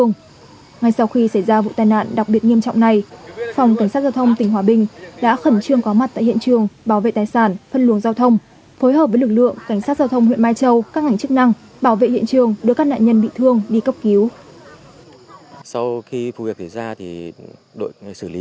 ngay sau khi xảy ra vụ tai nạn đặc biệt nghiêm trọng này phòng cảnh sát giao thông tỉnh hòa bình đã khẩn trương có mặt tại hiện trường bảo vệ tài sản phân luồng giao thông phối hợp với lực lượng cảnh sát giao thông huyện mai châu các ngành chức năng bảo vệ hiện trường đưa các nạn nhân bị thương đi cấp cứu